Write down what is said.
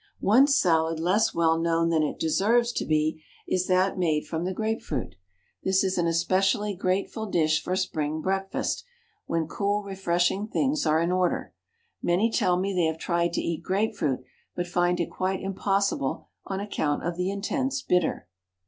One salad less well known than it deserves to be is that made from the grape fruit. This is an especially grateful dish for spring breakfast, when cool, refreshing things are in order. Many tell me they have tried to eat grape fruit, but find it quite impossible on account of the intense bitter.